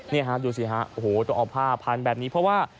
นี่ฮะดูสิฮะโอ้โหต้องเอาผ้าพันแบบนี้เพราะว่า